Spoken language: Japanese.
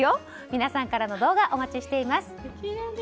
皆さんからの動画お待ちしています。